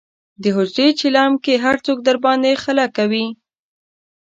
د حجرې چیلم یې هر څوک درباندې خله لکوي.